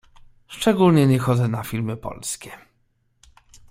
Szczególnie nie chodzę na filmy polskie